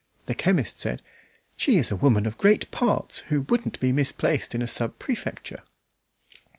The chemist said "She is a woman of great parts, who wouldn't be misplaced in a sub prefecture."